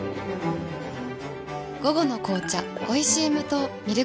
午後の紅茶おいしい無糖ミルクティー